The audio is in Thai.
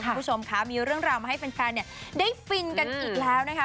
คุณผู้ชมคะมีเรื่องราวมาให้แฟนได้ฟินกันอีกแล้วนะคะ